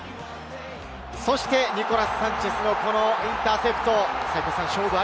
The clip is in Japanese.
そしてニコラス・サンチェスのインターセプト。